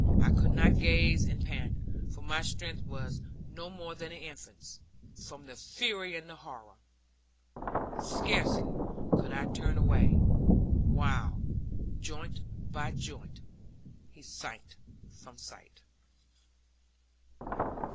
I could only gaze and pant; for my strength was no more than an infant's, from the fury and the horror. Scarcely could I turn away, while, joint by joint, he sank from sight.